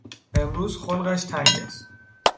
امروز خلقش تنگ است.